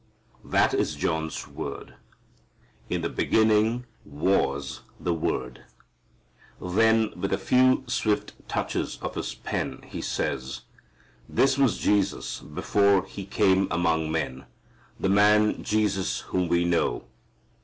That is John's word. "In the beginning was the Word." Then with a few swift touches of his pen he says, "This was Jesus before He came among men, the man Jesus whom we know."